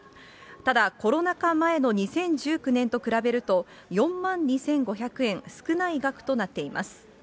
ただコロナ禍前の２０１９年と比べると、４万２５００円少ない額となっています。